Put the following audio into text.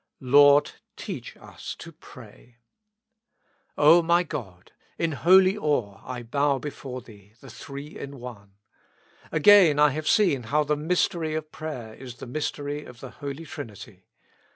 "Lord, teach us to pray." O my God ! in holy awe I bow before Thee, the Three in One. Again I have seen how the mystery of prayer is the mystery of the Holy Trinity.